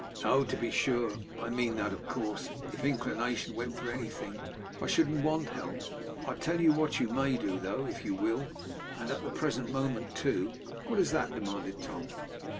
'Oh! to be sure. I meant that, of course. If inclination went for anything, I shouldn't want help. I tell you what you may do, though, if you will, and at the present moment too.' 'What is that?' demanded Tom.